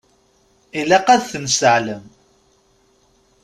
Ilaq ad ten-nesseɛlem.